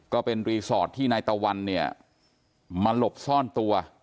ก็เป็นรีสอร์ทที่นายตะวันเนี่ยมาหลบซ่อนตัว